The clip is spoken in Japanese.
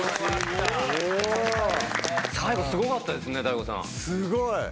すごい。